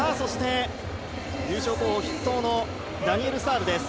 優勝候補筆頭のダニエル・スタールです。